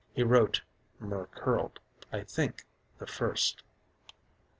'_" (He wrote myrrh curled, I think, the first.)